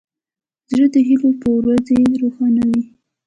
زړه د هیلو په ورځې روښانه وي.